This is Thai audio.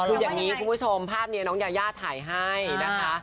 คืออย่างนี้คุณผู้ชมภาพนี้น้องยายาถ่ายให้นะคะ